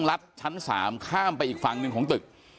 ลัดชั้น๓ข้ามไปอีกฝั่งหนึ่งของตึก